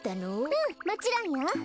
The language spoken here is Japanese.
うんもちろんよ。